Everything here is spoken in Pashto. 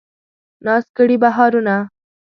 ناز کړي بهارونه